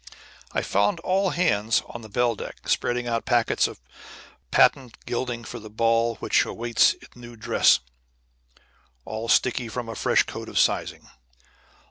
I found all hands on the "bell deck" spreading out packets of patent gilding for the ball which awaited its new dress, all sticky from a fresh coat of sizing.